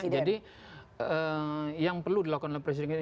jadi yang perlu dilakukan oleh presiden